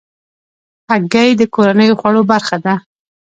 هګۍ د کورنیو خوړو برخه ده.